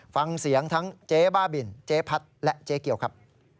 ฟังเสียงทั้งเจ๊บ้าบินเจ๊พัดและเจ๊เกียวครับ